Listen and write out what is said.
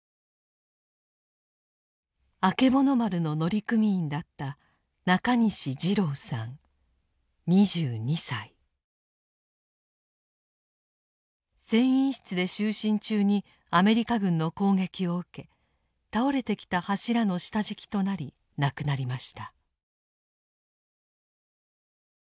あけぼの丸の乗組員だった船員室で就寝中にアメリカ軍の攻撃を受け倒れてきた柱の下敷きとなり亡くなりました。